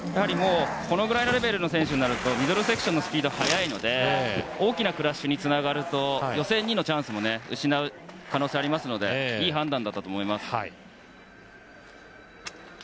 このぐらいのレベルの選手になるとミドルセクションのスピードが速いので大きなクラッシュにつながると予選２のチャンスも失う可能性ありますのでいい判断だったと思います。